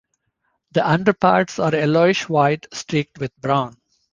The underparts are yellowish-white streaked with brown.